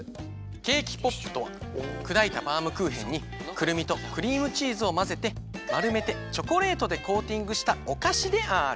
ケーキポップとはくだいたバウムクーヘンにくるみとクリームチーズをまぜてまるめてチョコレートでコーティングしたおかしである！